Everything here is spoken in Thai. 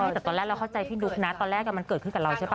แต่ตอนแรกเราเข้าใจพี่นุ๊กนะตอนแรกมันเกิดขึ้นกับเราใช่ป่